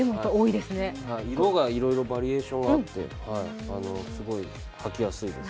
色がいろいろバリエーションがあって、すごい履きやすいです。